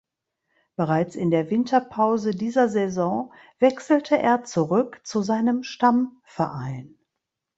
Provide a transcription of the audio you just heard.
Bereits in der Winterpause dieser Saison wechselte er zurück zu seinem Stammverein.